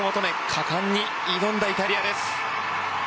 果敢に挑んだイタリアです。